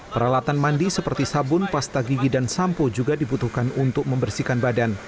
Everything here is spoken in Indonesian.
peralatan mandi seperti sabun pasta gigi dan sampo juga dibutuhkan untuk membersihkan badan